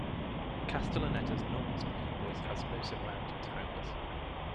Castellaneta's normal speaking voice has no similarity to Homer's.